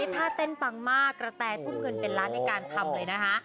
ถ้าเต้นปังมากกระแตทุ่มเงินเป็นล้านในการทำเลยนะคะ